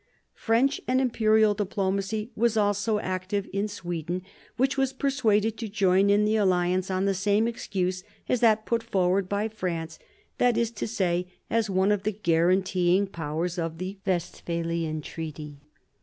French and Imperial diplomacy was also active in Sweden, which was persuaded to join in the' alliance on the same excuse as that put forward by France, that is to say, as one of the guaranteeing Powers of the West phalian Treaty.